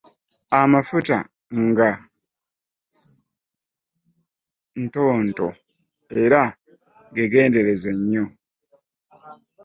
Amafuta ga ntonto era gegendereze nnyo.